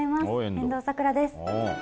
遠藤さくらです。